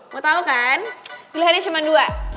mau tau kan pilihannya cuma dua